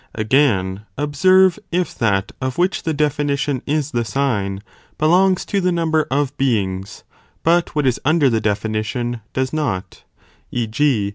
Whether Again (observe), if that of which the definition what istobe ig the sign, belongs to the number of beings, but istent ; but what is under the definition does not; e. g.